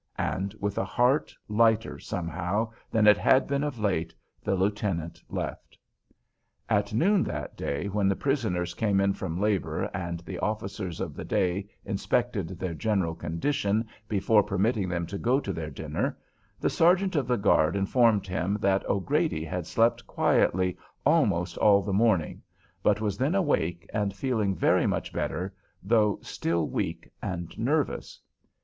And, with a heart lighter, somehow, than it had been of late, the lieutenant left. At noon that day, when the prisoners came in from labor and the officer's of the day inspected their general condition before permitting them to go to their dinner, the sergeant of the guard informed him that O'Grady had slept quietly almost all the morning, but was then awake and feeling very much better, though still weak and nervous.